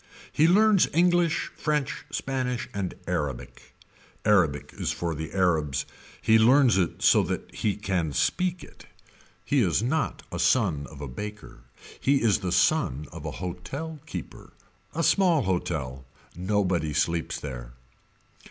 He learns English french spanish and Arabic. Arabic is for the Arabs. He learns it so that he can speak it. He is not a son of a baker. He is the son of a hotel keeper. A small hotel. Nobody sleeps there.